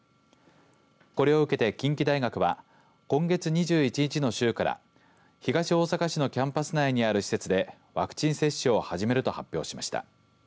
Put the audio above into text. これを受けて近畿大学は今月２１日の週から東大阪市のキャンパス内にある施設でワクチン接種を始めると発表しました。